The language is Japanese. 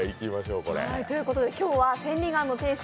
今日は千里眼の店主